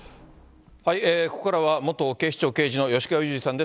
ここからは、元警視庁刑事の吉川祐二さんです。